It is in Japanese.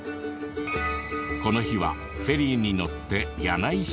この日はフェリーに乗って柳井市へ。